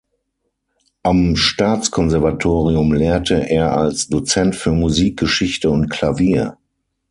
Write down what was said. Am Staatskonservatorium lehrte er als Dozent für Musikgeschichte und Klavier.